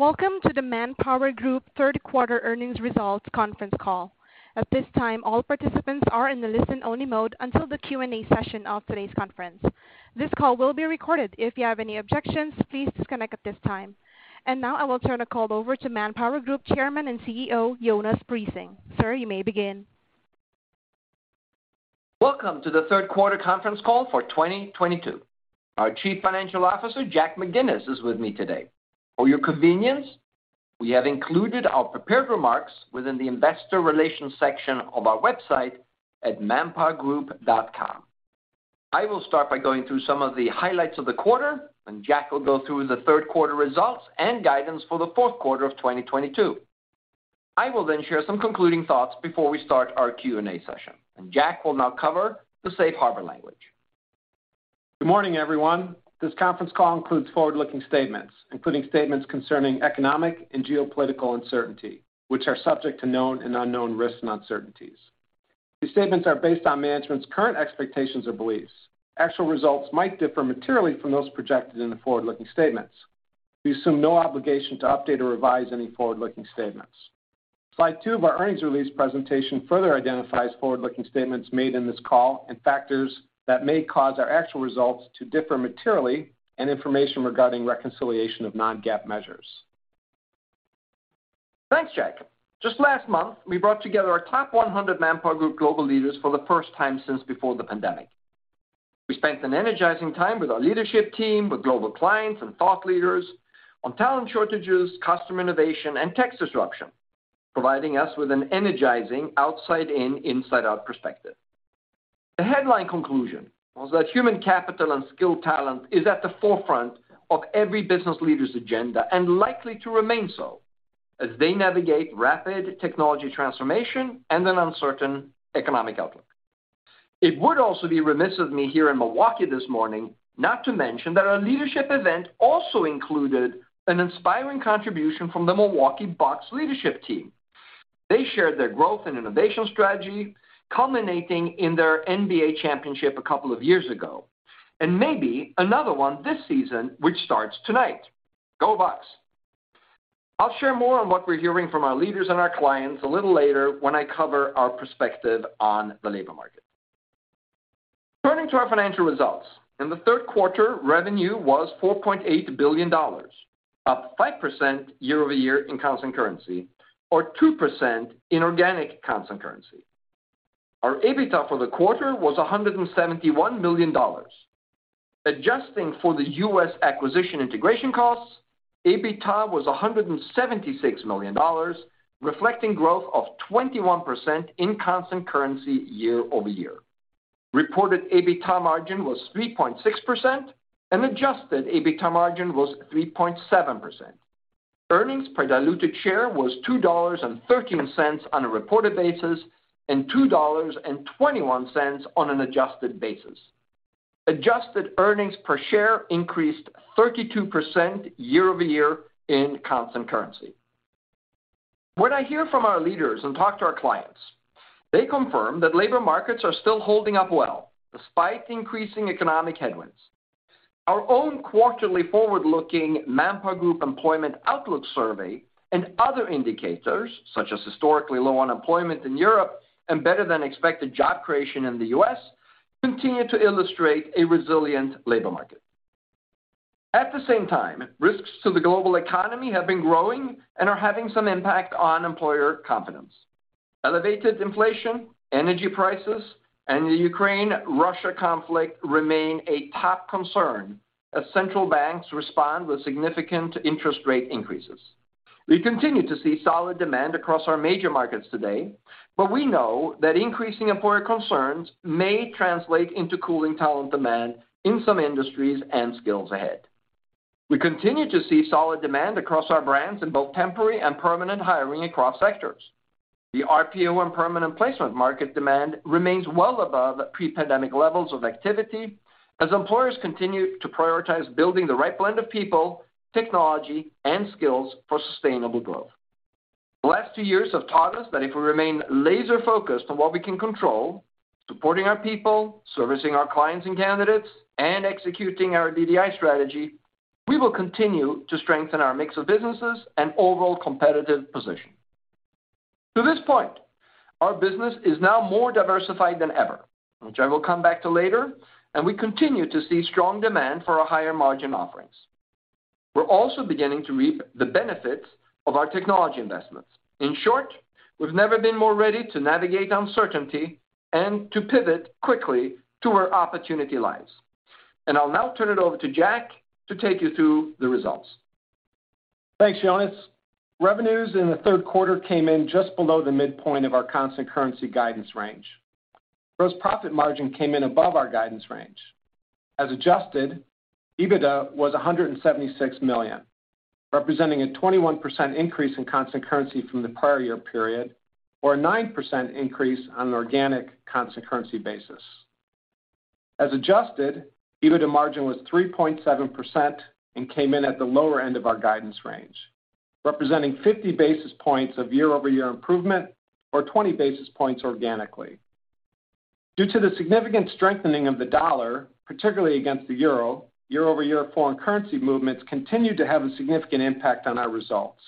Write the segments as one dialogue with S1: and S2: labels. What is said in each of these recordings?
S1: Welcome to the ManpowerGroup third quarter earnings results conference call. At this time, all participants are in the listen-only mode until the Q&A session of today's conference. This call will be recorded. If you have any objections, please disconnect at this time. Now, I will turn the call over to ManpowerGroup Chairman and CEO, Jonas Prising. Sir, you may begin.
S2: Welcome to the third quarter conference call for 2022. Our Chief Financial Officer, Jack McGinnis, is with me today. For your convenience, we have included our prepared remarks within the investor relations section of our website at manpowergroup.com. I will start by going through some of the highlights of the quarter, and Jack will go through the third quarter results and guidance for the fourth quarter of 2022. I will then share some concluding thoughts before we start our Q&A session. Jack will now cover the safe harbor language.
S3: Good morning, everyone. This conference call includes forward-looking statements, including statements concerning economic and geopolitical uncertainty, which are subject to known and unknown risks and uncertainties. These statements are based on management's current expectations or beliefs. Actual results might differ materially from those projected in the forward-looking statements. We assume no obligation to update or revise any forward-looking statements. Slide two of our earnings release presentation further identifies forward-looking statements made in this call and factors that may cause our actual results to differ materially and information regarding reconciliation of non-GAAP measures.
S2: Thanks, Jack. Just last month, we brought together our top 100 ManpowerGroup global leaders for the first time since before the pandemic. We spent an energizing time with our leadership team, with global clients, and thought leaders on talent shortages, customer innovation, and tech disruption, providing us with an energizing outside in, inside out perspective. The headline conclusion was that human capital and skill talent is at the forefront of every business leader's agenda and likely to remain so as they navigate rapid technology transformation and an uncertain economic outlook. It would also be remiss of me here in Milwaukee this morning not to mention that our leadership event also included an inspiring contribution from the Milwaukee Bucks leadership team. They shared their growth and innovation strategy, culminating in their NBA championship a couple of years ago, and maybe another one this season, which starts tonight. Go, Bucks. I'll share more on what we're hearing from our leaders and our clients a little later when I cover our perspective on the labor market. Turning to our financial results. In the third quarter, revenue was $4.8 billion, up 5% year-over-year in constant currency or 2% in organic constant currency. Our EBITDA for the quarter was $171 million. Adjusting for the U.S. acquisition integration costs, EBITDA was $176 million, reflecting growth of 21% in constant currency year-over-year. Reported EBITDA margin was 3.6%, and adjusted EBITDA margin was 3.7%. Earnings per diluted share was $2.13 on a reported basis and $2.21 on an adjusted basis. Adjusted earnings per share increased 32% year-over-year in constant currency. When I hear from our leaders and talk to our clients, they confirm that labor markets are still holding up well despite increasing economic headwinds. Our own quarterly forward-looking ManpowerGroup Employment Outlook Survey and other indicators, such as historically low unemployment in Europe and better than expected job creation in the US, continue to illustrate a resilient labor market. At the same time, risks to the global economy have been growing and are having some impact on employer confidence. Elevated inflation, energy prices, and the Ukraine-Russia conflict remain a top concern as central banks respond with significant interest rate increases. We continue to see solid demand across our major markets today, but we know that increasing employer concerns may translate into cooling talent demand in some industries and skills ahead. We continue to see solid demand across our brands in both temporary and permanent hiring across sectors. The RPO and permanent placement market demand remains well above pre-pandemic levels of activity as employers continue to prioritize building the right blend of people, technology, and skills for sustainable growth. The last two years have taught us that if we remain laser-focused on what we can control, supporting our people, servicing our clients and candidates, and executing our DDI strategy, we will continue to strengthen our mix of businesses and overall competitive position. To this point, our business is now more diversified than ever, which I will come back to later, and we continue to see strong demand for our higher margin offerings. We're also beginning to reap the benefits of our technology investments. In short, we've never been more ready to navigate uncertainty and to pivot quickly to where opportunity lies. I'll now turn it over to Jack to take you through the results.
S3: Thanks, Jonas. Revenues in the third quarter came in just below the midpoint of our constant currency guidance range. Gross profit margin came in above our guidance range. As adjusted, EBITDA was $176 million, representing a 21% increase in constant currency from the prior year period or a 9% increase on an organic constant currency basis. As adjusted, EBITDA margin was 3.7% and came in at the lower end of our guidance range, representing 50 basis points of year-over-year improvement or 20 basis points organically. Due to the significant strengthening of the US dollar, particularly against the euro, year-over-year foreign currency movements continue to have a significant impact on our results.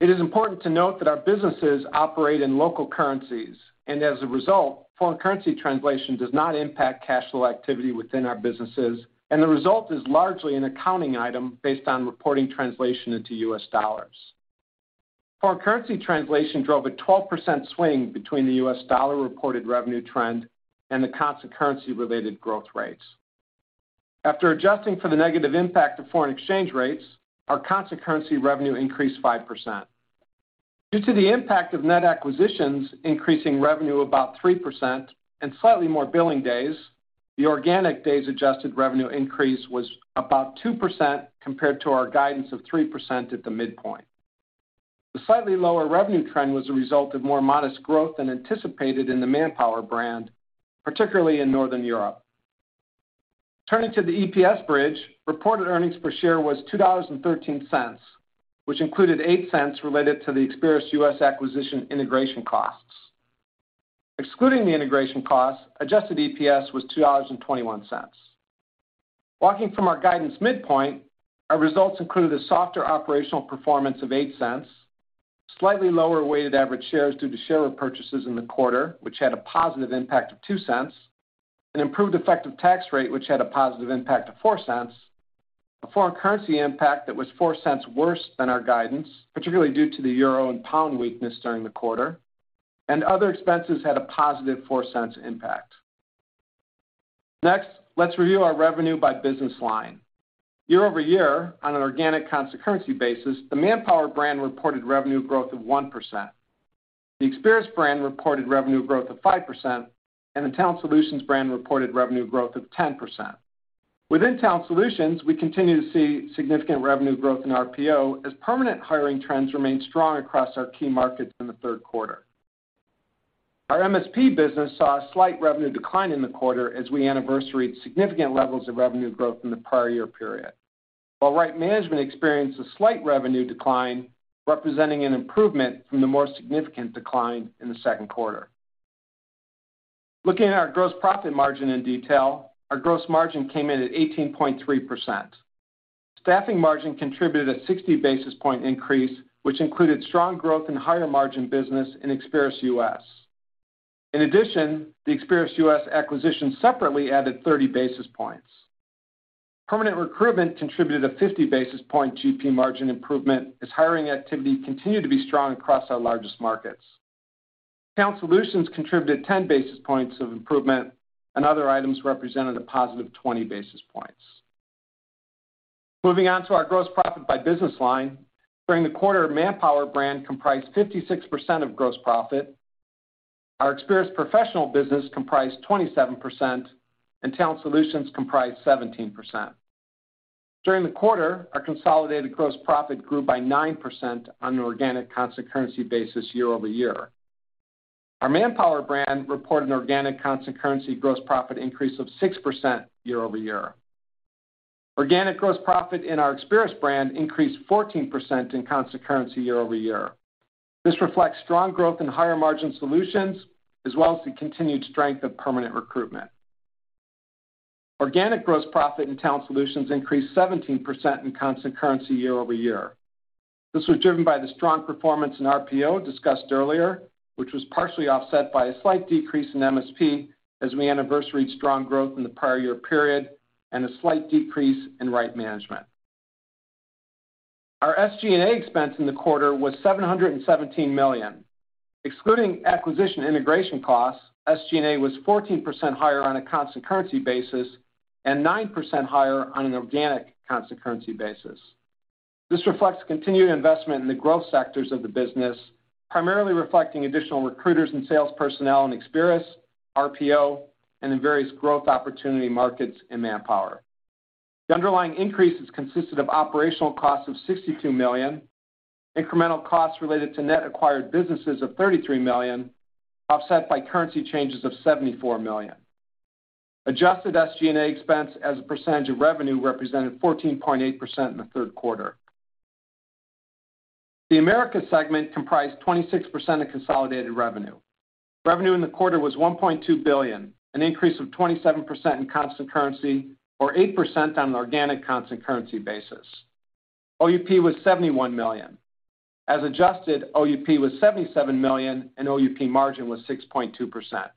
S3: It is important to note that our businesses operate in local currencies, and as a result, foreign currency translation does not impact cash flow activity within our businesses, and the result is largely an accounting item based on reporting translation into U.S. dollars. Foreign currency translation drove a 12% swing between the U.S. dollar reported revenue trend and the constant currency related growth rates. After adjusting for the negative impact of foreign exchange rates, our constant currency revenue increased 5%. Due to the impact of net acquisitions increasing revenue about 3% and slightly more billing days, the organic days adjusted revenue increase was about 2% compared to our guidance of 3% at the midpoint. The slightly lower revenue trend was a result of more modest growth than anticipated in the Manpower brand, particularly in Northern Europe. Turning to the EPS bridge, reported earnings per share was $2.13, which included $0.08 related to the Experis U.S. acquisition integration costs. Excluding the integration costs, adjusted EPS was $2.21. Walking from our guidance midpoint, our results included a softer operational performance of $0.08, slightly lower weighted average shares due to share repurchases in the quarter, which had a positive impact of $0.02, an improved effective tax rate which had a positive impact of $0.04, a foreign currency impact that was $0.04 worse than our guidance, particularly due to the euro and pound weakness during the quarter. Other expenses had a positive $0.04 impact. Next, let's review our revenue by business line. Year-over-year, on an organic constant currency basis, the Manpower brand reported revenue growth of 1%. The Experis brand reported revenue growth of 5%, and the Talent Solutions brand reported revenue growth of 10%. Within Talent Solutions, we continue to see significant revenue growth in RPO as permanent hiring trends remain strong across our key markets in the third quarter. Our MSP business saw a slight revenue decline in the quarter as we anniversaried significant levels of revenue growth in the prior year period. While Right Management experienced a slight revenue decline, representing an improvement from the more significant decline in the second quarter. Looking at our gross profit margin in detail, our gross margin came in at 18.3%. Staffing margin contributed a 60 basis points increase, which included strong growth in higher margin business in Experis U.S. In addition, the Experis U.S. acquisition separately added 30 basis points. Permanent recruitment contributed a 50 basis point GP margin improvement as hiring activity continued to be strong across our largest markets. Talent Solutions contributed 10 basis points of improvement, and other items represented a positive 20 basis points. Moving on to our gross profit by business line. During the quarter, Manpower brand comprised 56% of gross profit. Our Experis professional business comprised 27%, and Talent Solutions comprised 17%. During the quarter, our consolidated gross profit grew by 9% on an organic constant currency basis year-over-year. Our Manpower brand reported an organic constant currency gross profit increase of 6% year-over-year. Organic gross profit in our Experis brand increased 14% in constant currency year-over-year. This reflects strong growth in higher margin solutions, as well as the continued strength of permanent recruitment. Organic gross profit in Talent Solutions increased 17% in constant currency year-over-year. This was driven by the strong performance in RPO discussed earlier, which was partially offset by a slight decrease in MSP as we anniversaried strong growth in the prior year period and a slight decrease in Right Management. Our SG&A expense in the quarter was $717 million. Excluding acquisition integration costs, SG&A was 14% higher on a constant currency basis and 9% higher on an organic constant currency basis. This reflects continued investment in the growth sectors of the business, primarily reflecting additional recruiters and sales personnel in Experis, RPO, and in various growth opportunity markets in Manpower. The underlying increases consisted of operational costs of $62 million, incremental costs related to net acquired businesses of $33 million, offset by currency changes of $74 million. Adjusted SG&A expense as a percentage of revenue represented 14.8% in the third quarter. The Americas segment comprised 26% of consolidated revenue. Revenue in the quarter was $1.2 billion, an increase of 27% in constant currency or 8% on an organic constant currency basis. OUP was $71 million. As adjusted, OUP was $77 million, and OUP margin was 6.2%.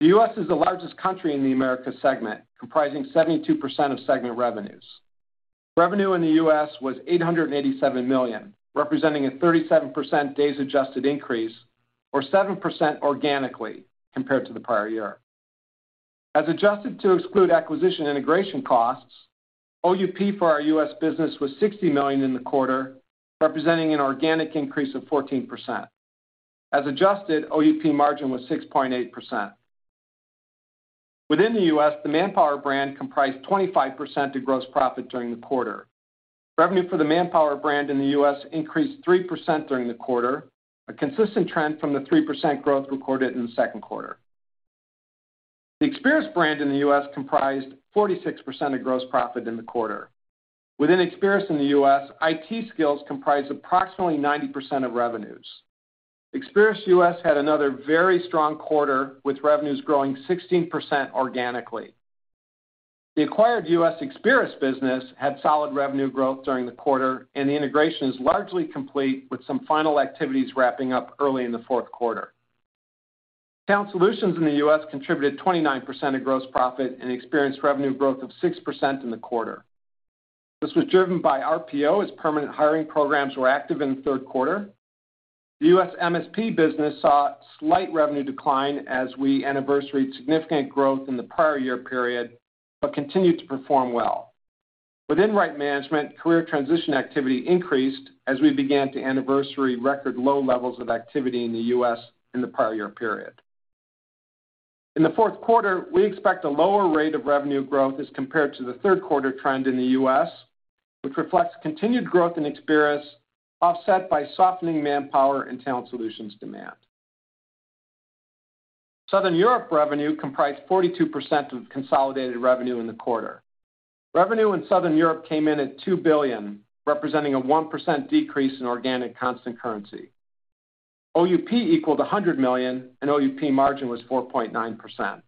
S3: The U.S. is the largest country in the Americas segment, comprising 72% of segment revenues. Revenue in the U.S. was $887 million, representing a 37% days-adjusted increase or 7% organically compared to the prior year. As adjusted to exclude acquisition integration costs, OUP for our U.S. business was $60 million in the quarter, representing an organic increase of 14%. As adjusted, OUP margin was 6.8%. Within the U.S., the Manpower brand comprised 25% of gross profit during the quarter. Revenue for the Manpower brand in the U.S. increased 3% during the quarter, a consistent trend from the 3% growth recorded in the second quarter. The Experis brand in the U.S. comprised 46% of gross profit in the quarter. Within Experis in the U.S., IT skills comprised approximately 90% of revenues. Experis U.S. had another very strong quarter, with revenues growing 16% organically. The acquired U.S. Experis business had solid revenue growth during the quarter, and the integration is largely complete, with some final activities wrapping up early in the fourth quarter. Talent Solutions in the U.S. contributed 29% of gross profit and experienced revenue growth of 6% in the quarter. This was driven by RPO as permanent hiring programs were active in the third quarter. The U.S. MSP business saw slight revenue decline as we anniversaried significant growth in the prior year period, but continued to perform well. Within Right Management, career transition activity increased as we began to anniversary record low levels of activity in the U.S. in the prior year period. In the fourth quarter, we expect a lower rate of revenue growth as compared to the third quarter trend in the U.S., which reflects continued growth in Experis, offset by softening Manpower and Talent Solutions demand. Southern Europe revenue comprised 42% of consolidated revenue in the quarter. Revenue in Southern Europe came in at $2 billion, representing a 1% decrease in organic constant currency. OUP equaled $100 million, and OUP margin was 4.9%.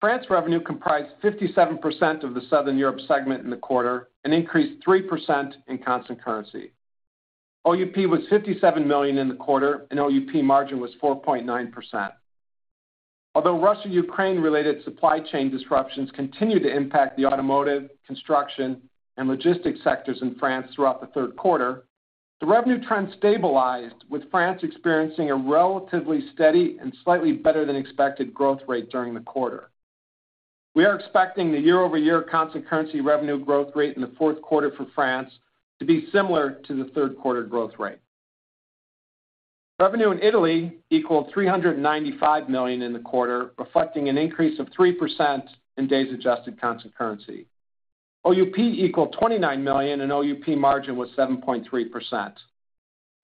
S3: France revenue comprised 57% of the Southern Europe segment in the quarter and increased 3% in constant currency. OUP was $57 million in the quarter, and OUP margin was 4.9%. Although Russia-Ukraine related supply chain disruptions continued to impact the automotive, construction, and logistics sectors in France throughout the third quarter, the revenue trend stabilized, with France experiencing a relatively steady and slightly better than expected growth rate during the quarter. We are expecting the year-over-year constant currency revenue growth rate in the fourth quarter for France to be similar to the third quarter growth rate. Revenue in Italy equaled $395 million in the quarter, reflecting an increase of 3% in days adjusted constant currency. OUP equaled $29 million, and OUP margin was 7.3%.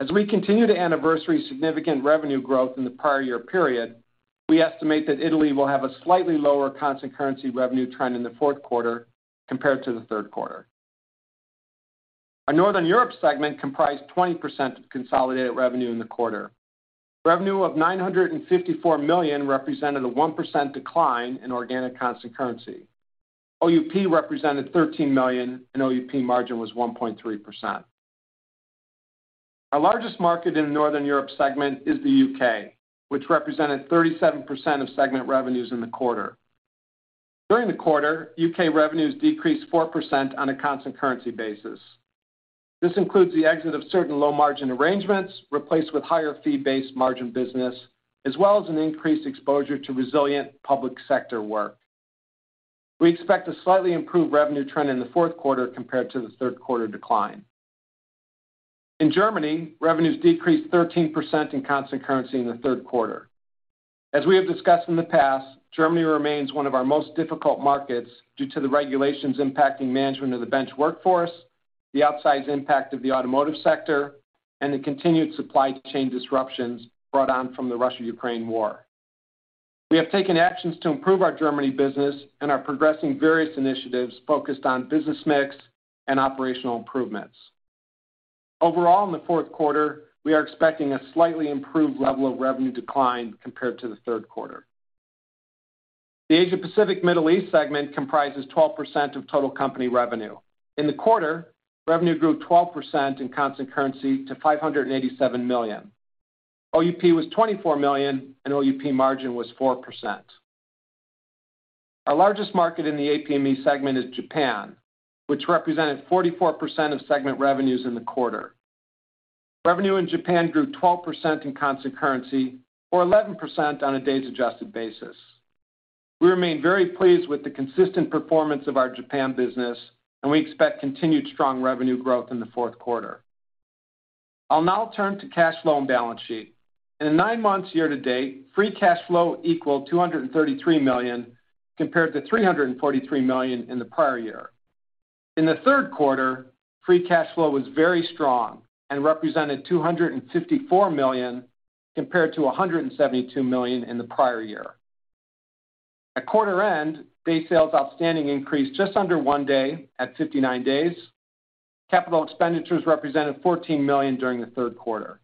S3: As we continue to anniversary significant revenue growth in the prior year period, we estimate that Italy will have a slightly lower constant currency revenue trend in the fourth quarter compared to the third quarter. Our Northern Europe segment comprised 20% of consolidated revenue in the quarter. Revenue of $954 million represented a 1% decline in organic constant currency. OUP represented $13 million, and OUP margin was 1.3%. Our largest market in the Northern Europe segment is the UK, which represented 37% of segment revenues in the quarter. During the quarter, UK revenues decreased 4% on a constant currency basis. This includes the exit of certain low-margin arrangements replaced with higher fee-based margin business, as well as an increased exposure to resilient public sector work. We expect a slightly improved revenue trend in the fourth quarter compared to the third quarter decline. In Germany, revenues decreased 13% in constant currency in the third quarter. As we have discussed in the past, Germany remains one of our most difficult markets due to the regulations impacting management of the bench workforce, the outsized impact of the automotive sector, and the continued supply chain disruptions brought on from the Russia-Ukraine war. We have taken actions to improve our Germany business and are progressing various initiatives focused on business mix and operational improvements. Overall, in the fourth quarter, we are expecting a slightly improved level of revenue decline compared to the third quarter. The Asia Pacific Middle East segment comprises 12% of total company revenue. In the quarter, revenue grew 12% in constant currency to $587 million. OUP was $24 million, and OUP margin was 4%. Our largest market in the APME segment is Japan, which represented 44% of segment revenues in the quarter. Revenue in Japan grew 12% in constant currency or 11% on a days-adjusted basis. We remain very pleased with the consistent performance of our Japan business, and we expect continued strong revenue growth in the fourth quarter. I'll now turn to cash flow and balance sheet. In the nine months year-to-date, free cash flow equaled $233 million compared to $343 million in the prior year. In the third quarter, free cash flow was very strong and represented $254 million compared to $172 million in the prior year. At quarter end, day sales outstanding increased just under one day at 59 days. Capital expenditures represented $14 million during the third quarter.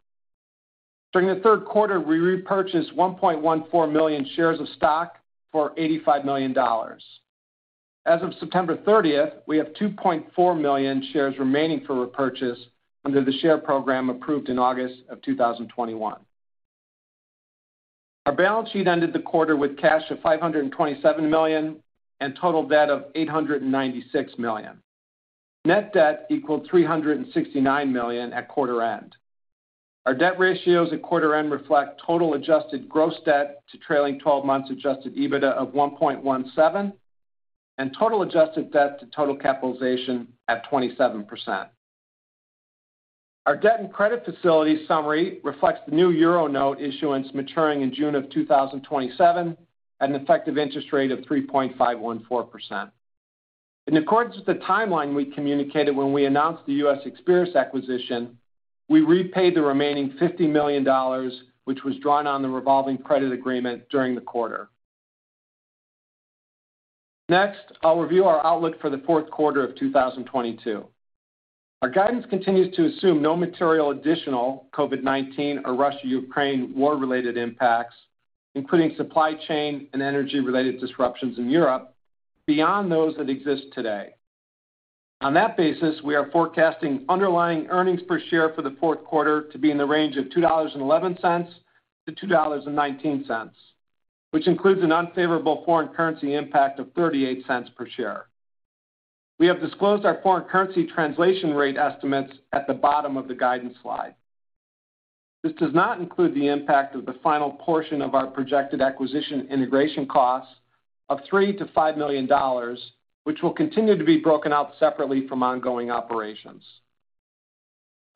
S3: During the third quarter, we repurchased 1.14 million shares of stock for $85 million. As of September 30, we have 2.4 million shares remaining for repurchase under the share program approved in August 2021. Our balance sheet ended the quarter with cash of $527 million and total debt of $896 million. Net debt equaled $369 million at quarter end. Our debt ratios at quarter end reflect total adjusted gross debt to trailing twelve months adjusted EBITDA of 1.17 and total adjusted debt to total capitalization at 27%. Our debt and credit facility summary reflects the new euro note issuance maturing in June 2027 at an effective interest rate of 3.514%. In accordance with the timeline we communicated when we announced the U.S. Experis acquisition, we repaid the remaining $50 million, which was drawn on the revolving credit agreement during the quarter. Next, I'll review our outlook for the fourth quarter of 2022. Our guidance continues to assume no material additional COVID-19 or Russia/Ukraine war-related impacts, including supply chain and energy-related disruptions in Europe beyond those that exist today. On that basis, we are forecasting underlying earnings per share for the fourth quarter to be in the range of $2.11-2.19, which includes an unfavorable foreign currency impact of $0.38 per share. We have disclosed our foreign currency translation rate estimates at the bottom of the guidance slide. This does not include the impact of the final portion of our projected acquisition integration costs of $3-5 million, which will continue to be broken out separately from ongoing operations.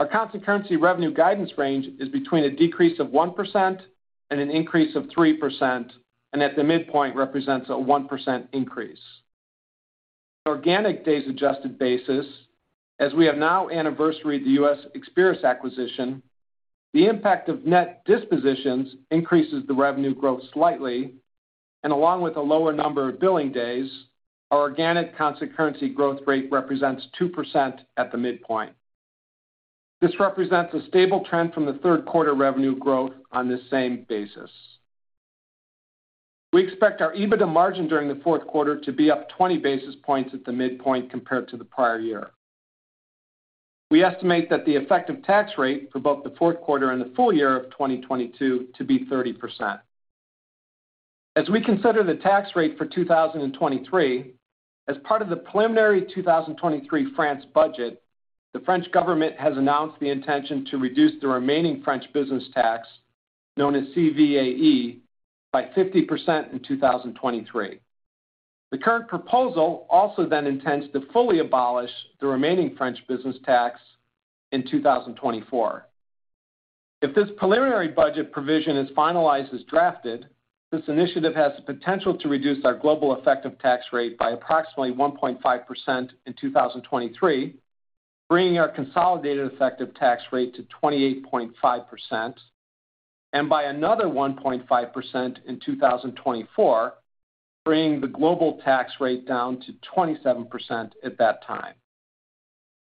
S3: Our constant currency revenue guidance range is between a decrease of 1% and an increase of 3%, and at the midpoint represents a 1% increase. Organic days adjusted basis, as we have now anniversaried the U.S. Experis acquisition, the impact of net dispositions increases the revenue growth slightly. Along with a lower number of billing days, our organic constant currency growth rate represents 2% at the midpoint. This represents a stable trend from the third quarter revenue growth on this same basis. We expect our EBITDA margin during the fourth quarter to be up 20 basis points at the midpoint compared to the prior year. We estimate that the effective tax rate for both the fourth quarter and the full-year of 2022 to be 30%. As we consider the tax rate for 2023, as part of the preliminary 2023 France budget, the French government has announced the intention to reduce the remaining French business tax, known as CVAE, by 50% in 2023. The current proposal also then intends to fully abolish the remaining French business tax in 2024. If this preliminary budget provision is finalized as drafted, this initiative has the potential to reduce our global effective tax rate by approximately 1.5% in 2023, bringing our consolidated effective tax rate to 28.5%, and by another 1.5% in 2024, bringing the global tax rate down to 27% at that time.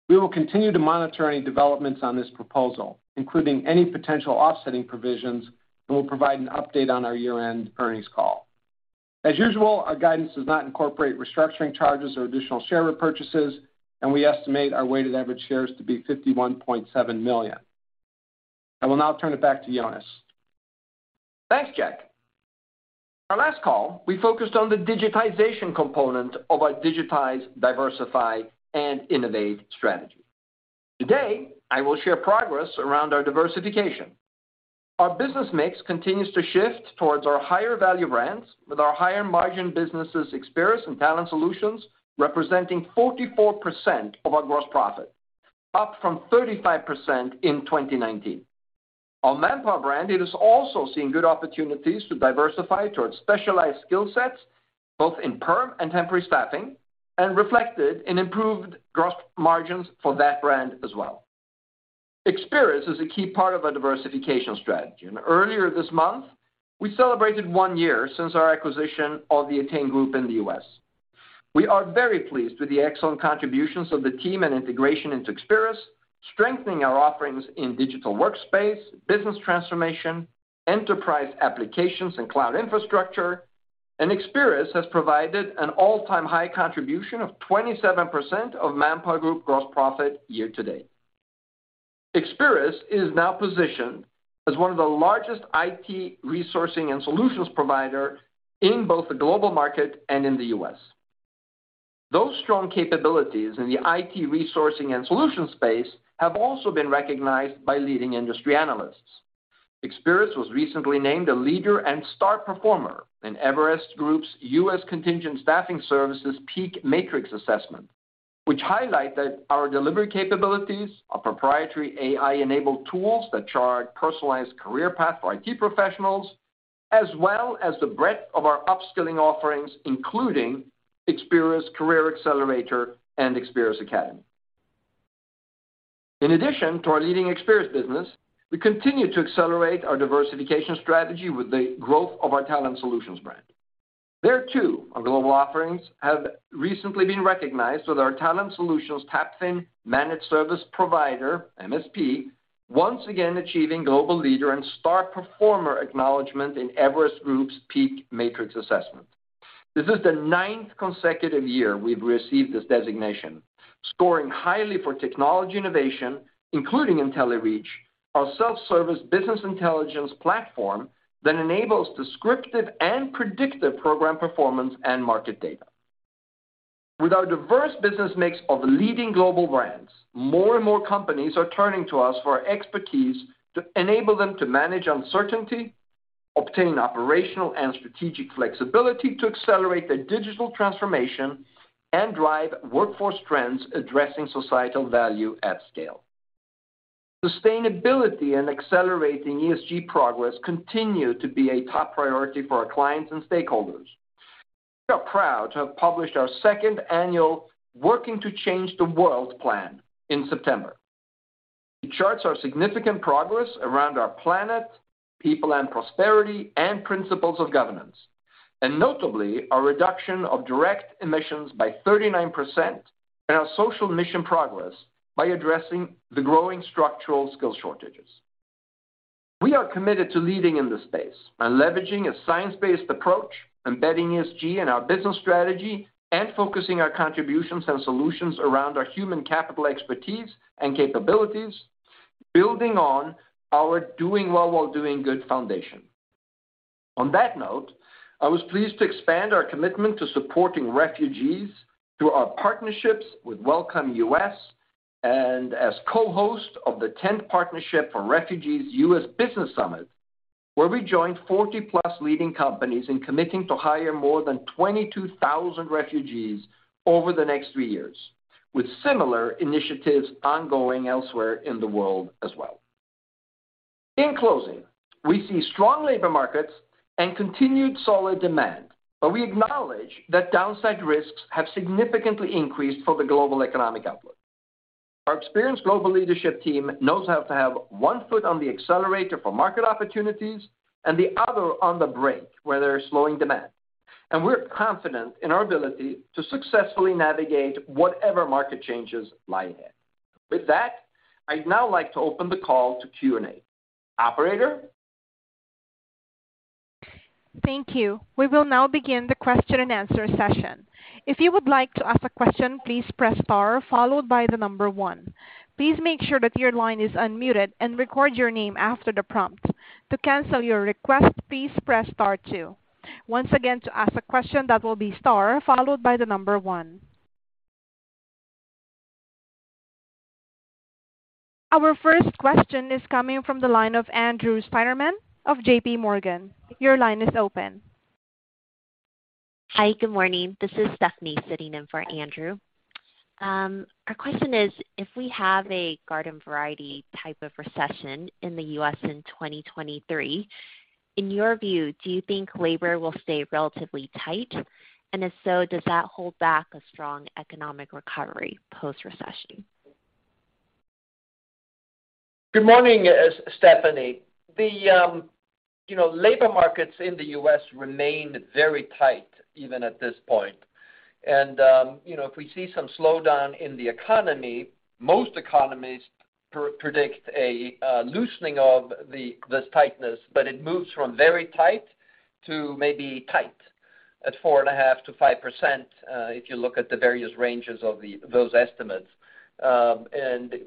S3: We will continue to monitor any developments on this proposal, including any potential offsetting provisions, and we'll provide an update on our year-end earnings call. As usual, our guidance does not incorporate restructuring charges or additional share repurchases, and we estimate our weighted average shares to be 51.7 million. I will now turn it back to Jonas.
S2: Thanks, Jack. Our last call, we focused on the digitization component of our digitize, diversify, and innovate strategy. Today, I will share progress around our diversification. Our business mix continues to shift towards our higher value brands with our higher margin businesses, Experis and Talent Solutions, representing 44% of our gross profit, up from 35% in 2019. Our Manpower brand, it is also seeing good opportunities to diversify towards specialized skill sets, both in perm and temporary staffing, and reflected in improved gross margins for that brand as well. Experis is a key part of our diversification strategy, and earlier this month, we celebrated one year since our acquisition of the ettain group in the U.S. We are very pleased with the excellent contributions of the team and integration into Experis, strengthening our offerings in digital workspace, business transformation, enterprise applications and cloud infrastructure. Experis has provided an all-time high contribution of 27% of ManpowerGroup gross profit year-to-date. Experis is now positioned as one of the largest IT resourcing and solutions provider in both the global market and in the U.S. Those strong capabilities in the IT resourcing and solution space have also been recognized by leading industry analysts. Experis was recently named a leader and star performer in Everest Group's U.S. Contingent Staffing Services PEAK Matrix Assessment, which highlight that our delivery capabilities are proprietary AI-enabled tools that chart personalized career path for IT professionals, as well as the breadth of our upskilling offerings, including Experis Career Accelerator and Experis Academy. In addition to our leading Experis business, we continue to accelerate our diversification strategy with the growth of our Talent Solutions brand. There too, our global offerings have recently been recognized with our Talent Solutions' TAPFIN Managed Service Provider, MSP once again achieving global leader and star performer acknowledgment in Everest Group's PEAK Matrix Assessment. This is the ninth consecutive year we've received this designation, scoring highly for technology innovation, including IntelliReach, our self-service business intelligence platform that enables descriptive and predictive program performance and market data. With our diverse business mix of leading global brands, more and more companies are turning to us for our expertise to enable them to manage uncertainty, obtain operational and strategic flexibility to accelerate their digital transformation, and drive workforce trends addressing societal value at scale. Sustainability and accelerating ESG progress continue to be a top priority for our clients and stakeholders. We are proud to have published our second annual Working to Change the World plan in September. It charts our significant progress around our planet, people and prosperity, and principles of governance, and notably, our reduction of direct emissions by 39% and our social mission progress by addressing the growing structural skills shortages. We are committed to leading in this space and leveraging a science-based approach, embedding ESG in our business strategy, and focusing our contributions and solutions around our human capital expertise and capabilities, building on our doing well while doing good foundation. On that note, I was pleased to expand our commitment to supporting refugees through our partnerships with Welcome.US and as co-host of the 10th U.S. Business Summit on Refugees, where we joined 40+ leading companies in committing to hire more than 22,000 refugees over the next three years, with similar initiatives ongoing elsewhere in the world as well. In closing, we see strong labor markets and continued solid demand, but we acknowledge that downside risks have significantly increased for the global economic outlook. Our experienced global leadership team knows how to have one foot on the accelerator for market opportunities and the other on the brake where there are slowing demand, and we're confident in our ability to successfully navigate whatever market changes lie ahead. With that, I'd now like to open the call to Q&A. Operator?
S1: Thank you. We will now begin the question-and-answer session. If you would like to ask a question, please press star followed by the number one. Please make sure that your line is unmuted and record your name after the prompt. To cancel your request, please press star two. Once again, to ask a question, that will be star followed by the number one. Our first question is coming from the line of Andrew Steinerman of J.P. Morgan. Your line is open.
S4: Hi. Good morning. This is Stephanie Moore sitting in for Andrew Steinerman. Our question is, if we have a garden variety type of recession in the U.S. in 2023, in your view, do you think labor will stay relatively tight? If so, does that hold back a strong economic recovery post-recession?
S2: Good morning, Stephanie. The, you know, labor markets in the U.S. remained very tight even at this point. If we see some slowdown in the economy, most economists predict a loosening of this tightness, but it moves from very tight to maybe tight at 4.5%-5%, if you look at the various ranges of those estimates.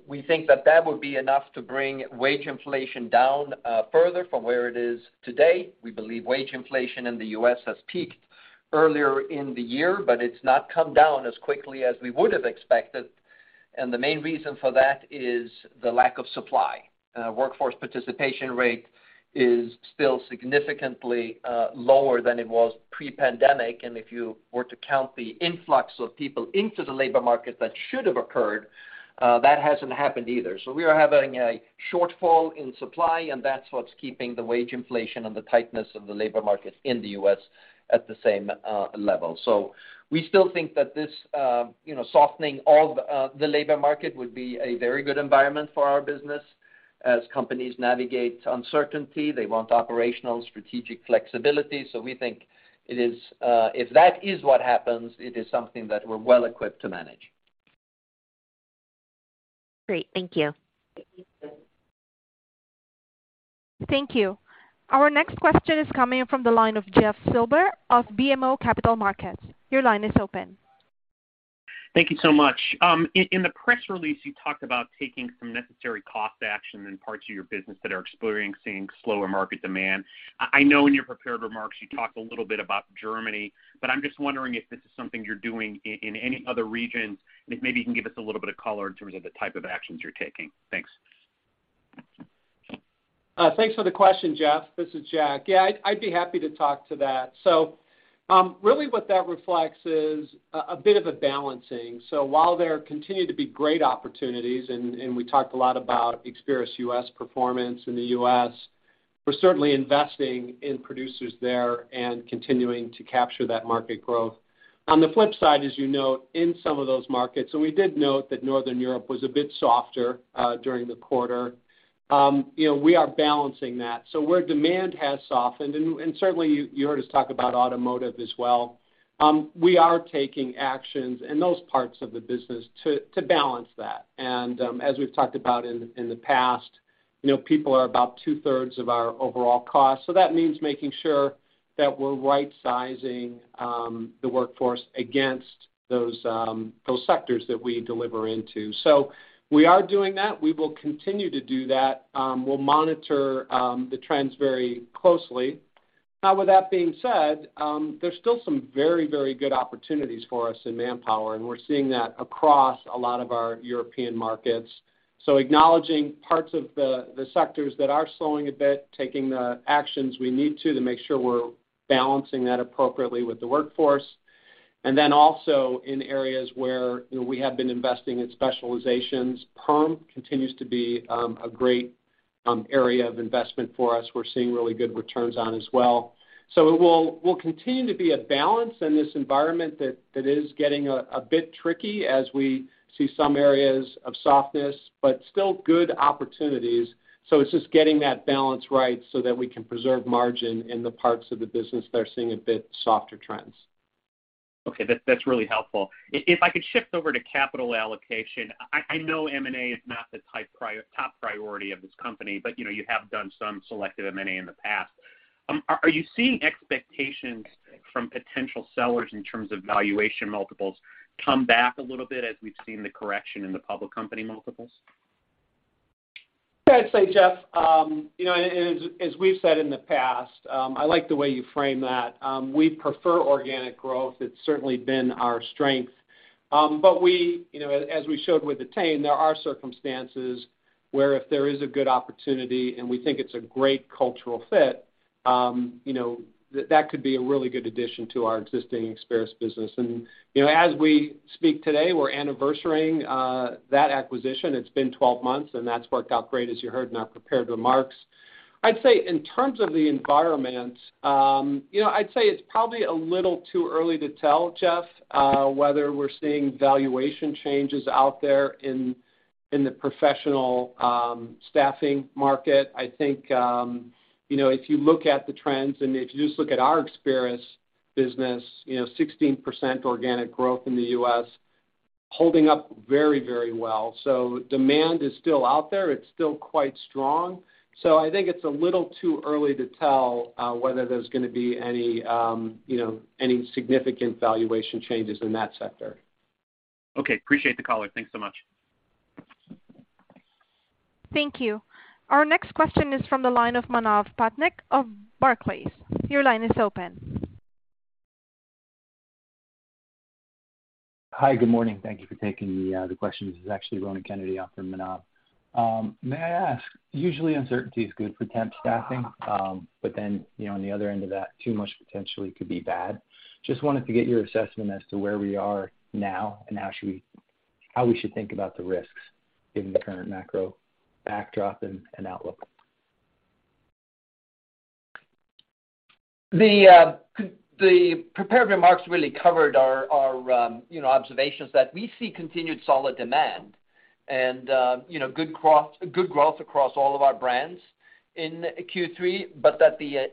S2: We think that would be enough to bring wage inflation down further from where it is today. We believe wage inflation in the U.S. has peaked earlier in the year, but it's not come down as quickly as we would have expected, and the main reason for that is the lack of supply. Workforce participation rate is still significantly lower than it was pre-pandemic. If you were to count the influx of people into the labor market that should have occurred, that hasn't happened either. We are having a shortfall in supply, and that's what's keeping the wage inflation and the tightness of the labor market in the U.S. at the same level. We still think that this, you know, softening of the labor market would be a very good environment for our business. As companies navigate uncertainty, they want operational strategic flexibility. We think it is, if that is what happens, it is something that we're well equipped to manage.
S4: Great. Thank you.
S1: Thank you. Our next question is coming from the line of Jeff Silber of BMO Capital Markets. Your line is open.
S5: Thank you so much. In the press release, you talked about taking some necessary cost action in parts of your business that are experiencing slower market demand. I know in your prepared remarks you talked a little bit about Germany, but I'm just wondering if this is something you're doing in any other regions, and if maybe you can give us a little bit of color in terms of the type of actions you're taking. Thanks.
S3: Thanks for the question, Jeff. This is Jack. Yeah, I'd be happy to talk to that. Really what that reflects is a bit of a balancing. While there continue to be great opportunities, and we talked a lot about Experis US performance in the US, we're certainly investing in producers there and continuing to capture that market growth. On the flip side, as you note, in some of those markets, and we did note that Northern Europe was a bit softer during the quarter, you know, we are balancing that. Where demand has softened, and certainly you heard us talk about automotive as well, we are taking actions in those parts of the business to balance that. As we've talked about in the past, you know, people are about 2/3 of our overall cost. That means making sure that we're right-sizing the workforce against those sectors that we deliver into. We are doing that. We will continue to do that. We'll monitor the trends very closely. Now with that being said, there's still some very good opportunities for us in Manpower, and we're seeing that across a lot of our European markets. Acknowledging parts of the sectors that are slowing a bit, taking the actions we need to make sure we're balancing that appropriately with the workforce. In areas where you know we have been investing in specializations, permanent continues to be a great area of investment for us. We're seeing really good returns on as well. It will continue to be a balance in this environment that is getting a bit tricky as we see some areas of softness, but still good opportunities. It's just getting that balance right so that we can preserve margin in the parts of the business that are seeing a bit softer trends.
S5: Okay. That's really helpful. If I could shift over to capital allocation. I know M&A is not the top priority of this company, but you know, you have done some selective M&A in the past. Are you seeing expectations from potential sellers in terms of valuation multiples come back a little bit as we've seen the correction in the public company multiples?
S3: Yeah, I'd say, Jeff, you know, as we've said in the past, I like the way you frame that. We prefer organic growth. It's certainly been our strength. We, you know, as we showed with ettain group, there are circumstances where if there is a good opportunity and we think it's a great cultural fit, you know, that could be a really good addition to our existing Experis business. You know, as we speak today, we're anniversarying that acquisition. It's been 12 months, and that's worked out great, as you heard in our prepared remarks. I'd say in terms of the environment, you know, I'd say it's probably a little too early to tell, Jeff, whether we're seeing valuation changes out there in the professional staffing market. I think, you know, if you look at the trends and if you just look at our Experis business, you know, 16% organic growth in the U.S., holding up very, very well. So demand is still out there. It's still quite strong. So I think it's a little too early to tell, whether there's gonna be any, you know, any significant valuation changes in that sector.
S5: Okay. Appreciate the color. Thanks so much.
S1: Thank you. Our next question is from the line of Manav Patnaik of Barclays. Your line is open.
S6: Hi. Good morning. Thank you for taking the question. This is actually Ronan Kennedy after Manav. May I ask, usually uncertainty is good for temp staffing, but then, you know, on the other end of that, too much potentially could be bad. Just wanted to get your assessment as to where we are now and how we should think about the risks given the current macro backdrop and outlook.
S2: The prepared remarks really covered our observations that we see continued solid demand and, you know, good growth across all of our brands in Q3, but that the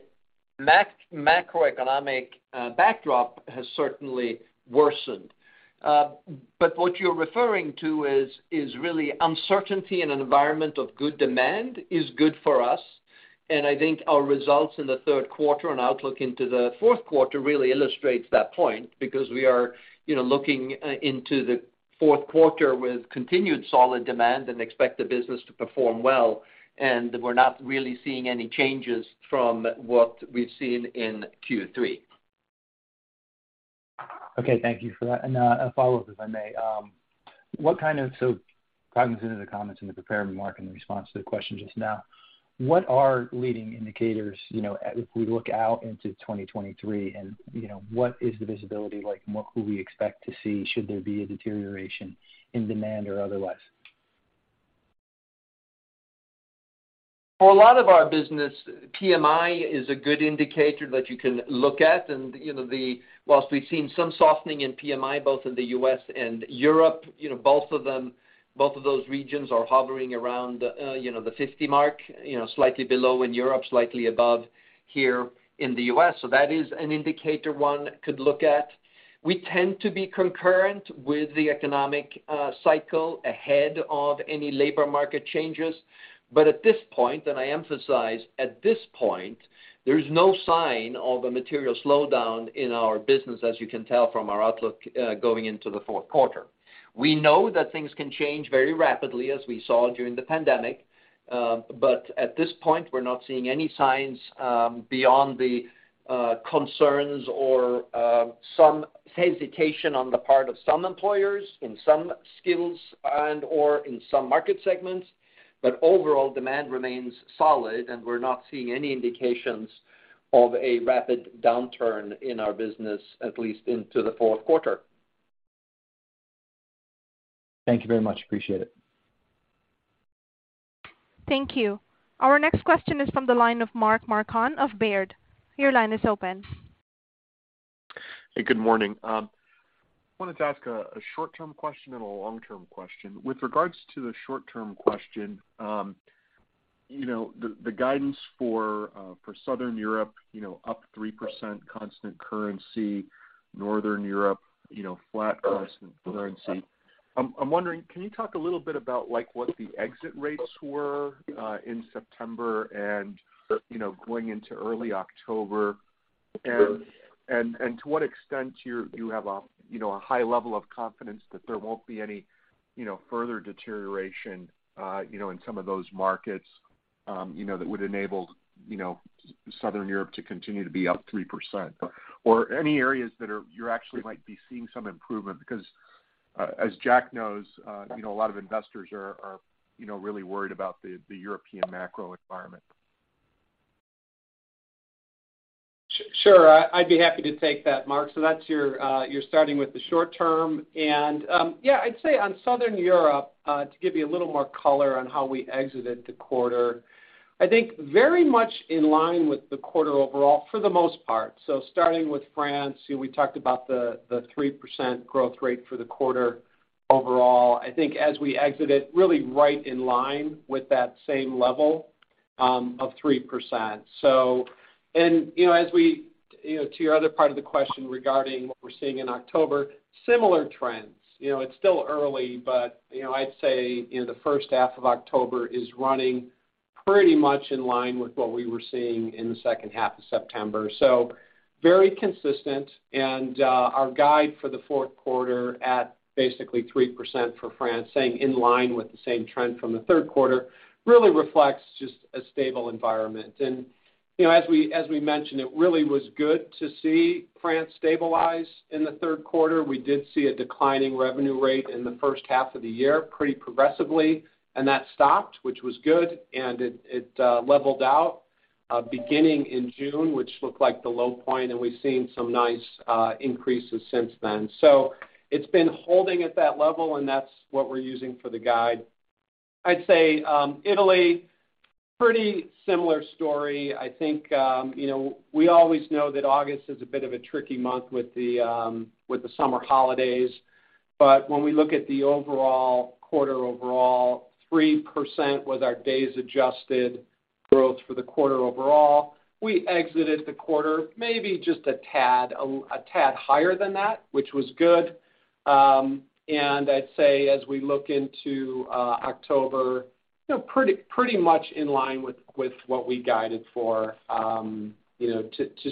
S2: macroeconomic backdrop has certainly worsened. What you're referring to is really uncertainty in an environment of good demand is good for us, and I think our results in the third quarter and outlook into the fourth quarter really illustrates that point because we are, you know, looking into the fourth quarter with continued solid demand and expect the business to perform well. We're not really seeing any changes from what we've seen in Q3.
S6: Okay. Thank you for that. A follow-up, if I may. Cognizant of the comments in the prepared remark and the response to the question just now, what are leading indicators, you know, if we look out into 2023 and, you know, what is the visibility like and what could we expect to see should there be a deterioration in demand or otherwise?
S2: For a lot of our business, PMI is a good indicator that you can look at. You know, whilst we've seen some softening in PMI both in the U.S. and Europe, you know, both of them, both of those regions are hovering around the 50 mark, you know, slightly below in Europe, slightly above here in the U.S. That is an indicator one could look at. We tend to be concurrent with the economic cycle ahead of any labor market changes. At this point, and I emphasize at this point, there is no sign of a material slowdown in our business, as you can tell from our outlook going into the fourth quarter. We know that things can change very rapidly, as we saw during the pandemic. At this point, we're not seeing any signs beyond the concerns or some hesitation on the part of some employers in some skills and/or in some market segments. Overall, demand remains solid, and we're not seeing any indications of a rapid downturn in our business, at least into the fourth quarter.
S6: Thank you very much. Appreciate it.
S1: Thank you. Our next question is from the line of Mark Marcon of Baird. Your line is open.
S7: Hey, good morning. Wanted to ask a short-term question and a long-term question. With regards to the short-term question, you know, the guidance for Southern Europe, you know, up 3% constant currency, Northern Europe, you know, flat constant currency. I'm wondering, can you talk a little bit about, like, what the exit rates were in September and, you know, going into early October? And to what extent you have a, you know, a high level of confidence that there won't be any, you know, further deterioration, you know, in some of those markets, you know, that would enable, you know, Southern Europe to continue to be up 3%? Or any areas that you actually might be seeing some improvement. Because, as Jack knows, you know, a lot of investors are, you know, really worried about the European macro environment.
S3: Sure, I'd be happy to take that, Mark. That's you starting with the short term. Yeah, I'd say on Southern Europe, to give you a little more color on how we exited the quarter, I think very much in line with the quarter overall for the most part. Starting with France, you know, we talked about the 3% growth rate for the quarter overall. I think as we exited, really right in line with that same level of 3%. You know, as we you know, to your other part of the question regarding what we're seeing in October, similar trends. You know, it's still early, but you know, I'd say you know, the first half of October is running pretty much in line with what we were seeing in the second half of September. Very consistent, and our guide for the fourth quarter at basically 3% for France, staying in line with the same trend from the third quarter, really reflects just a stable environment. As we mentioned, it really was good to see France stabilize in the third quarter. We did see a declining revenue rate in the first half of the year pretty progressively, and that stopped, which was good, and it leveled out beginning in June, which looked like the low point, and we've seen some nice increases since then. It's been holding at that level, and that's what we're using for the guide. I'd say Italy, pretty similar story. I think we always know that August is a bit of a tricky month with the summer holidays. When we look at the overall quarter overall, 3% was our days adjusted growth for the quarter overall. We exited the quarter maybe just a tad higher than that, which was good. I'd say as we look into October, you know, pretty much in line with what we guided for, you know,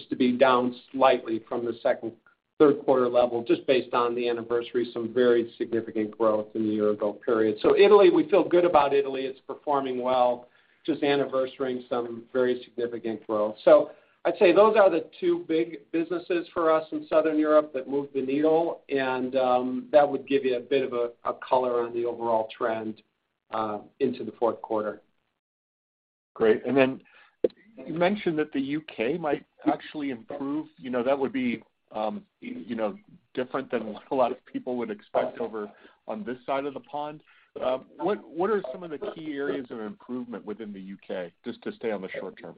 S3: to be down slightly from the second, third quarter level, just based on the anniversary, some very significant growth in the year-ago period. Italy, we feel good about Italy. It's performing well, just anniversarying some very significant growth. I'd say those are the two big businesses for us in Southern Europe that moved the needle, and that would give you a bit of a color on the overall trend into the fourth quarter.
S7: Great. You mentioned that the UK might actually improve. You know, that would be, you know, different than what a lot of people would expect over on this side of the pond. What are some of the key areas of improvement within the UK, just to stay on the short term?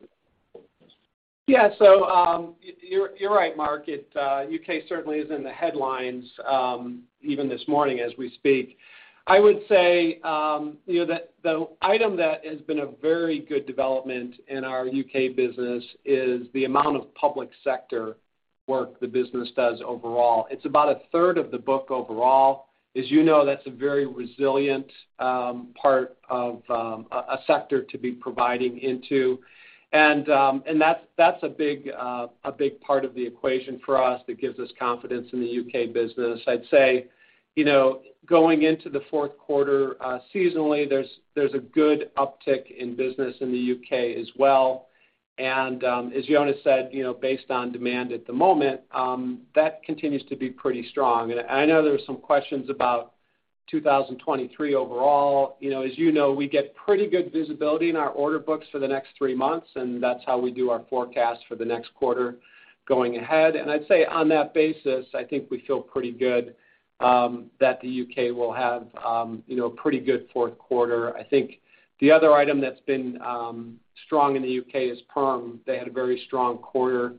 S3: You're right, Mark. The U.K. certainly is in the headlines, even this morning as we speak. I would say, you know, the item that has been a very good development in our U.K. business is the amount of public sector work the business does overall. It's about a third of the book overall. As you know, that's a very resilient part of a sector to be providing into. That's a big part of the equation for us that gives us confidence in the U.K. business. I'd say, you know, going into the fourth quarter, seasonally, there's a good uptick in business in the U.K. as well. As Jonas said, you know, based on demand at the moment, that continues to be pretty strong. I know there were some questions about 2023 overall. You know, as you know, we get pretty good visibility in our order books for the next three months, and that's how we do our forecast for the next quarter going ahead. I'd say on that basis, I think we feel pretty good that the U.K. will have, you know, a pretty good fourth quarter. I think the other item that's been strong in the U.K. is perm. They had a very strong quarter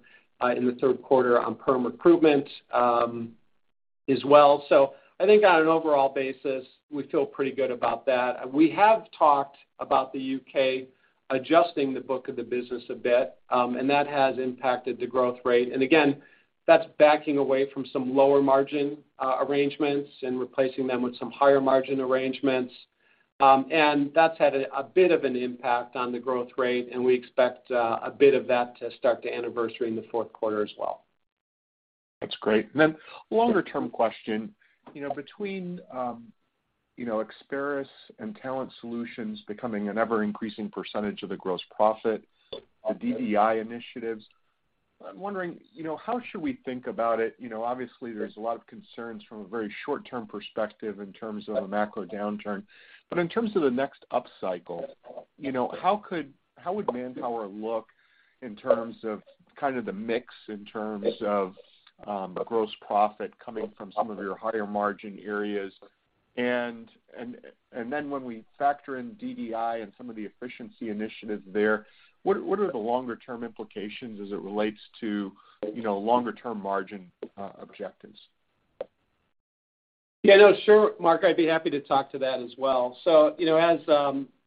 S3: in the third quarter on perm recruitment as well. I think on an overall basis, we feel pretty good about that. We have talked about the U.K. adjusting the book of the business a bit, and that has impacted the growth rate. Again, that's backing away from some lower margin arrangements and replacing them with some higher margin arrangements. That's had a bit of an impact on the growth rate, and we expect a bit of that to start to anniversary in the fourth quarter as well.
S7: That's great. Longer term question, you know, between, you know, Experis and Talent Solutions becoming an ever-increasing percentage of the gross profit, the DDI initiatives, I'm wondering, you know, how should we think about it? You know, obviously, there's a lot of concerns from a very short-term perspective in terms of a macro downturn. In terms of the next upcycle, you know, how would Manpower look in terms of kind of the mix, in terms of, gross profit coming from some of your higher margin areas? When we factor in DDI and some of the efficiency initiatives there, what are the longer term implications as it relates to, you know, longer term margin objectives?
S3: Yeah, no, sure, Mark, I'd be happy to talk to that as well. You know, as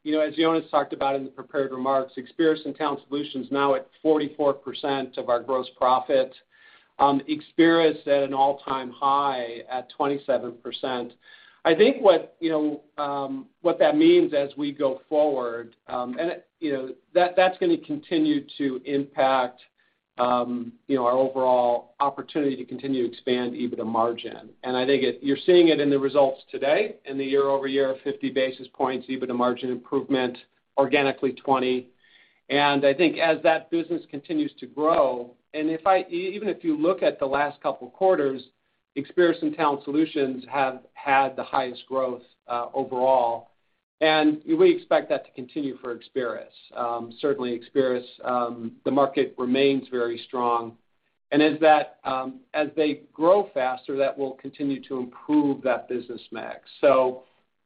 S3: you know, as Jonas talked about in the prepared remarks, Experis and Talent Solutions now at 44% of our gross profit, Experis at an all-time high at 27%. I think what that means as we go forward, and it you know that's gonna continue to impact you know our overall opportunity to continue to expand EBITDA margin. I think it you're seeing it in the results today in the year-over-year 50 basis points EBITDA margin improvement, organically 20. I think as that business continues to grow, and even if you look at the last couple quarters, Experis and Talent Solutions have had the highest growth overall. We expect that to continue for Experis. Certainly Experis, the market remains very strong. As they grow faster, that will continue to improve that business mix.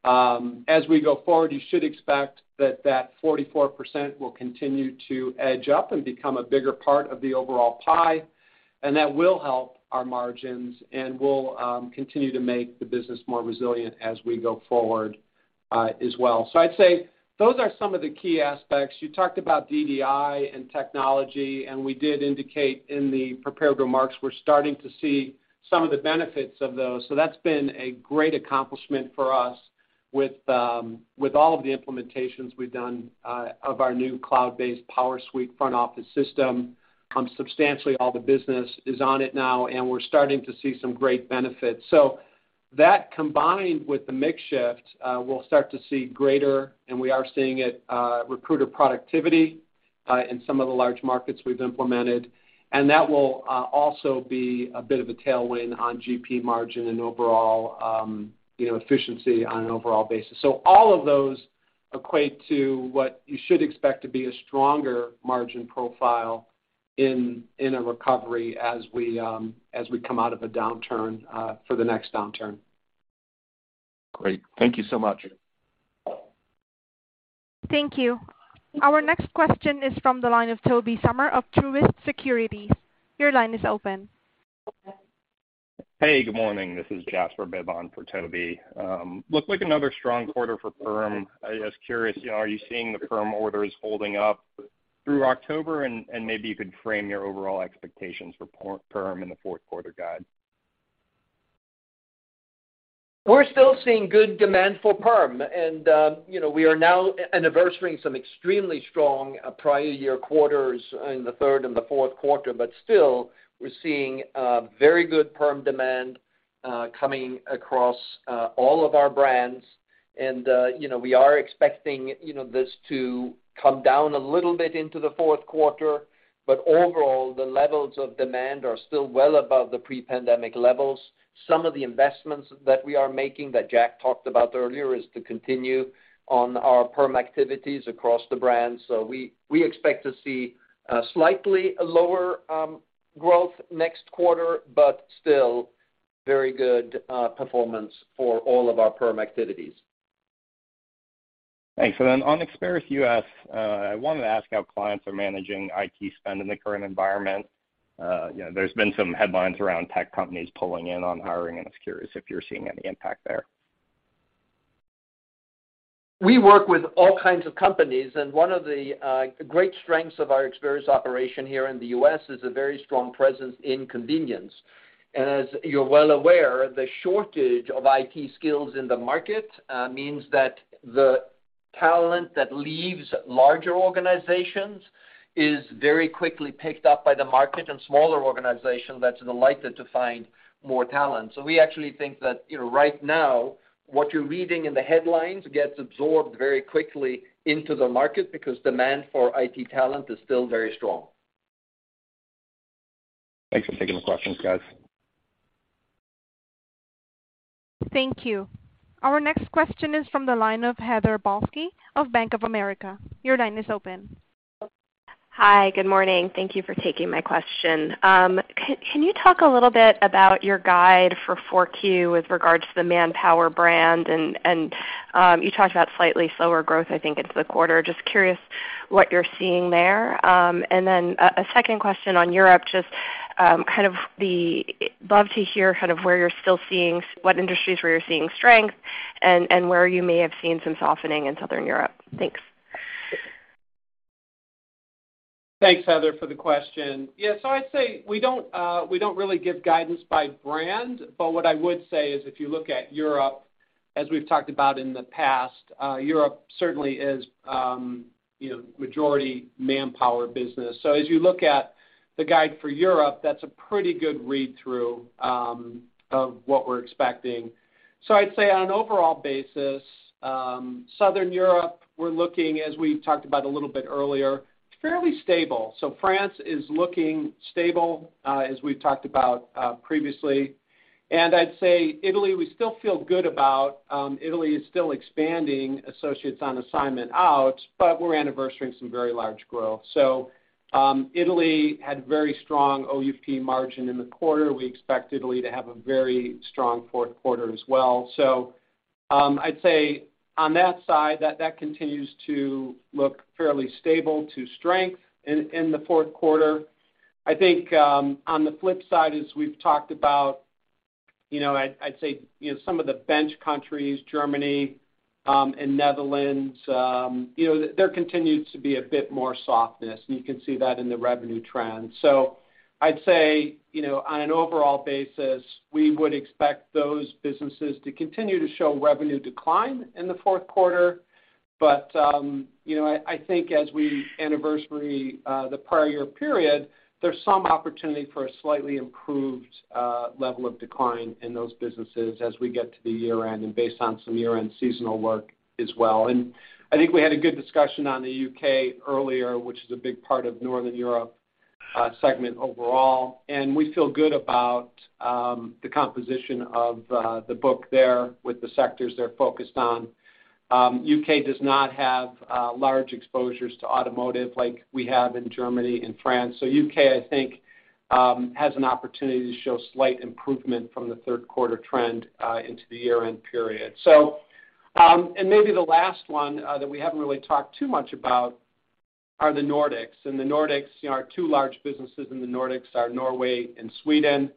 S3: As we go forward, you should expect that 44% will continue to edge up and become a bigger part of the overall pie, and that will help our margins and will continue to make the business more resilient as we go forward, as well. I'd say those are some of the key aspects. You talked about DDI and technology, and we did indicate in the prepared remarks we're starting to see some of the benefits of those. That's been a great accomplishment for us with all of the implementations we've done of our new cloud-based PowerSuite front office system. Substantially all the business is on it now, and we're starting to see some great benefits. That combined with the mix shift, we'll start to see greater, and we are seeing it, recruiter productivity in some of the large markets we've implemented. That will also be a bit of a tailwind on GP margin and overall, you know, efficiency on an overall basis. All of those equate to what you should expect to be a stronger margin profile in a recovery as we come out of a downturn for the next downturn.
S7: Great. Thank you so much.
S1: Thank you. Our next question is from the line of Tobey Sommer of Truist Securities. Your line is open.
S8: Hey, good morning. This is Jasper Bibb for Toby. Looks like another strong quarter for perm. I was curious, you know, are you seeing the perm orders holding up through October? Maybe you could frame your overall expectations for perm in the fourth quarter guide.
S3: We're still seeing good demand for perm. You know, we are now anniversarying some extremely strong prior year quarters in the third and the fourth quarter. Still, we're seeing very good perm demand coming across all of our brands. You know, we are expecting, you know, this to come down a little bit into the fourth quarter. Overall, the levels of demand are still well above the pre-pandemic levels. Some of the investments that we are making, that Jack talked about earlier, is to continue on our perm activities across the brand. We expect to see a slightly lower growth next quarter, but still very good performance for all of our perm activities.
S8: Thanks. On Experis U.S., I wanted to ask how clients are managing IT spend in the current environment. You know, there's been some headlines around tech companies pulling back on hiring, and I was curious if you're seeing any impact there.
S3: We work with all kinds of companies, and one of the great strengths of our Experis operation here in the U.S. is a very strong presence in contingent. As you're well aware, the shortage of IT skills in the market means that the talent that leaves larger organizations is very quickly picked up by the market and smaller organizations that's likely to find more talent. We actually think that, you know, right now, what you're reading in the headlines gets absorbed very quickly into the market because demand for IT talent is still very strong.
S8: Thanks for taking the questions, guys.
S1: Thank you. Our next question is from the line of Heather Balsky of Bank of America. Your line is open.
S9: Hi, good morning. Thank you for taking my question. Can you talk a little bit about your guide for Q4 with regards to the Manpower brand? You talked about slightly slower growth, I think, into the quarter. Just curious what you're seeing there. A second question on Europe, just love to hear kind of where you're still seeing what industries where you're seeing strength and where you may have seen some softening in Southern Europe. Thanks.
S2: Thanks, Heather Balsky, for the question. Yeah. I'd say we don't really give guidance by brand, but what I would say is if you look at Europe, as we've talked about in the past, Europe certainly is, you know, majority Manpower business. As you look at the guide for Europe, that's a pretty good read-through of what we're expecting. I'd say on an overall basis, Southern Europe, we're looking, as we talked about a little bit earlier, fairly stable. France is looking stable, as we've talked about, previously. I'd say Italy, we still feel good about. Italy is still expanding associates on assignment out, but we're anniversarying some very large growth. Italy had very strong OUP margin in the quarter. We expect Italy to have a very strong fourth quarter as well. I'd say on that side, that continues to look fairly stable to strength in the fourth quarter. I think on the flip side, as we've talked about, you know, I'd say you know, some of the bench countries, Germany, and Netherlands, you know, there continues to be a bit more softness, and you can see that in the revenue trends. I'd say you know, on an overall basis, we would expect those businesses to continue to show revenue decline in the fourth quarter. I think as we anniversary the prior period, there's some opportunity for a slightly improved level of decline in those businesses as we get to the year-end and based on some year-end seasonal work as well. I think we had a good discussion on the U.K. earlier, which is a big part of Northern Europe. Segment overall, we feel good about the composition of the book there with the sectors they're focused on. U.K. does not have large exposures to automotive like we have in Germany and France. U.K., I think, has an opportunity to show slight improvement from the third quarter trend into the year-end period. Maybe the last one that we haven't really talked too much about are the Nordics. The Nordics, you know, our two large businesses in the Nordics are Norway and Sweden.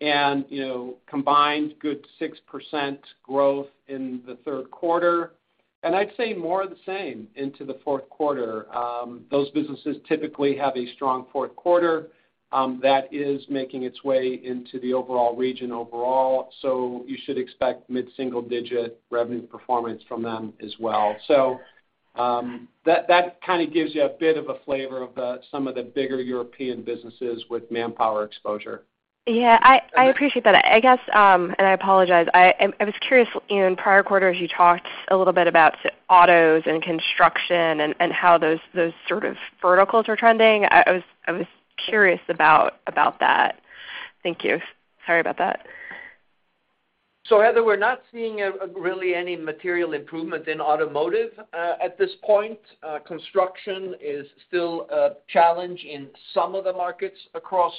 S2: You know, combined good 6% growth in the third quarter, and I'd say more of the same into the fourth quarter. Those businesses typically have a strong fourth quarter that is making its way into the overall region overall, so you should expect mid-single-digit revenue performance from them as well. That kinda gives you a bit of a flavor of some of the bigger European businesses with Manpower exposure.
S9: Yeah. I appreciate that. I guess, I apologize. I was curious. In prior quarters, you talked a little bit about autos and construction and how those sort of verticals are trending. I was curious about that. Thank you. Sorry about that.
S2: Heather, we're not seeing really any material improvement in automotive at this point. Construction is still a challenge in some of the markets across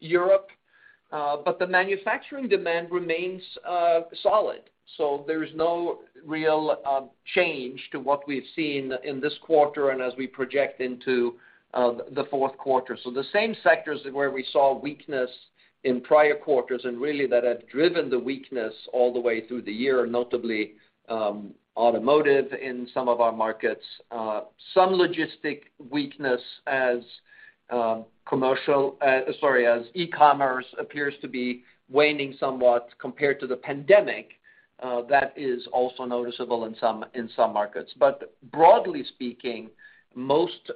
S2: Europe, but the manufacturing demand remains solid. There's no real change to what we've seen in this quarter and as we project into the fourth quarter. The same sectors where we saw weakness in prior quarters and really that had driven the weakness all the way through the year, notably automotive in some of our markets, some logistics weakness as e-commerce appears to be waning somewhat compared to the pandemic, that is also noticeable in some markets. Broadly speaking, most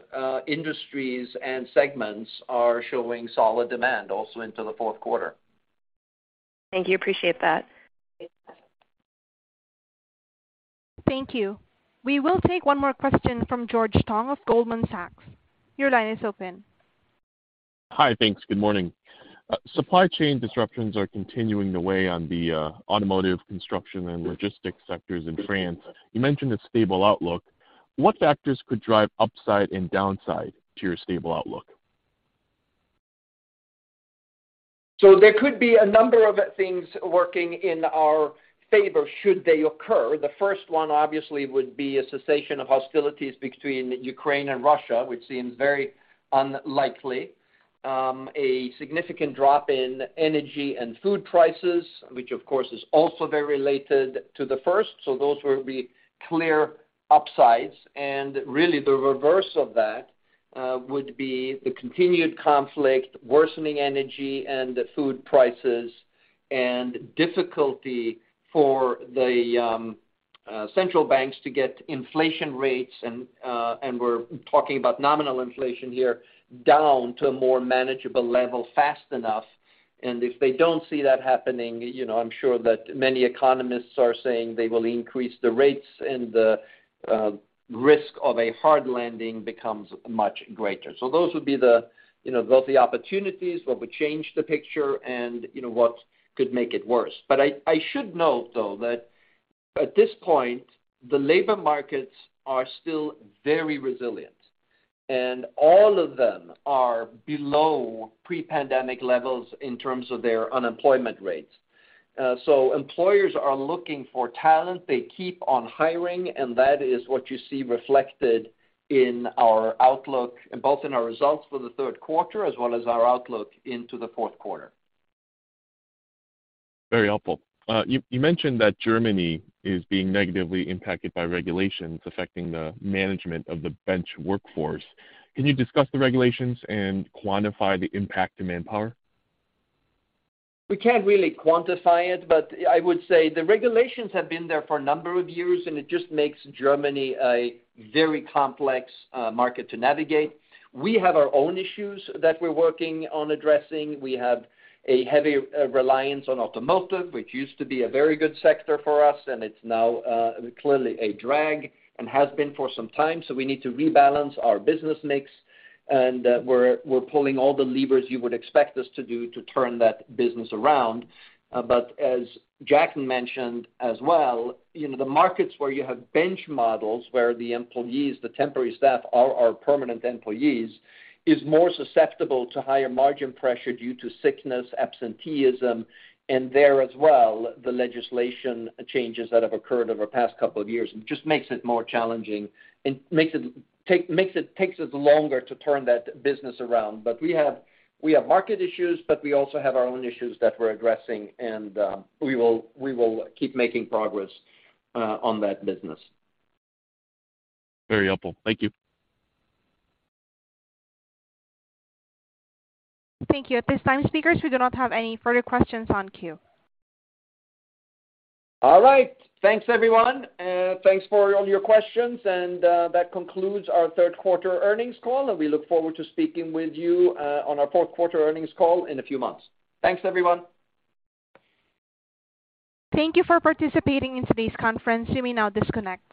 S2: industries and segments are showing solid demand also into the fourth quarter.
S9: Thank you. Appreciate that.
S1: Thank you. We will take one more question from George Tong of Goldman Sachs. Your line is open.
S10: Hi. Thanks. Good morning. Supply chain disruptions are continuing to weigh on the automotive, construction, and logistics sectors in France. You mentioned a stable outlook. What factors could drive upside and downside to your stable outlook?
S2: There could be a number of things working in our favor should they occur. The first one obviously would be a cessation of hostilities between Ukraine and Russia, which seems very unlikely. A significant drop in energy and food prices, which of course is also very related to the first. Those would be clear upsides. Really the reverse of that would be the continued conflict, worsening energy and food prices and difficulty for the central banks to get inflation rates, and we're talking about nominal inflation here, down to a more manageable level fast enough. If they don't see that happening, you know, I'm sure that many economists are saying they will increase the rates and the risk of a hard landing becomes much greater. Those would be the, you know, both the opportunities, what would change the picture and, you know, what could make it worse. I should note, though, that at this point, the labor markets are still very resilient, and all of them are below pre-pandemic levels in terms of their unemployment rates. Employers are looking for talent. They keep on hiring, and that is what you see reflected in our outlook, both in our results for the third quarter as well as our outlook into the fourth quarter.
S10: Very helpful. You mentioned that Germany is being negatively impacted by regulations affecting the management of the bench workforce. Can you discuss the regulations and quantify the impact to Manpower?
S2: We can't really quantify it, but I would say the regulations have been there for a number of years, and it just makes Germany a very complex market to navigate. We have our own issues that we're working on addressing. We have a heavy reliance on automotive, which used to be a very good sector for us, and it's now clearly a drag and has been for some time. We need to rebalance our business mix. We're pulling all the levers you would expect us to do to turn that business around. But as Jack McGinnis mentioned as well, you know, the markets where you have bench models where the employees, the temporary staff are our permanent employees, is more susceptible to higher margin pressure due to sickness, absenteeism. There as well, the legislation changes that have occurred over the past couple of years just makes it more challenging and takes us longer to turn that business around. We have market issues, but we also have our own issues that we're addressing. We will keep making progress on that business.
S10: Very helpful. Thank you.
S1: Thank you. At this time, speakers, we do not have any further questions in queue.
S2: All right. Thanks, everyone. Thanks for all your questions. That concludes our third quarter earnings call. We look forward to speaking with you on our fourth quarter earnings call in a few months.
S3: Thanks, everyone.
S1: Thank you for participating in today's conference. You may now disconnect.